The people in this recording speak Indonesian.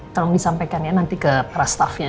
tolong disampaikan ya nanti ke para staffnya